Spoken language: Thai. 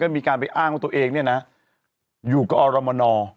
มีการไปอ้างว่าตัวเองเนี่ยนะอยู่กับอรมน